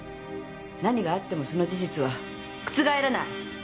何があってもその事実は覆らない！